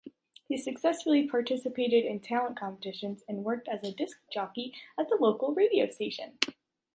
He successfully participated in talent competitions and worked as a disc jockey at a local radio station.